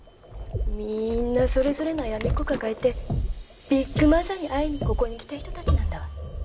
みーんなそれぞれ悩みっこ抱えてビッグマザーに会いにここに来た人たちなんだわ。